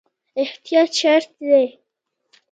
احتیاط شرط دی